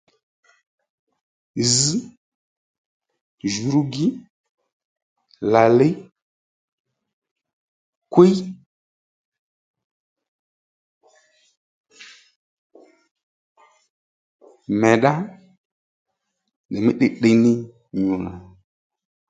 Zz, jǔrúgi, làliy, kwíy, mèddá ndèymí tdiytdiy ní nyù nà